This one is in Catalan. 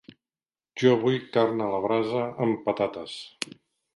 Jo vull carn a la brasa amb patates.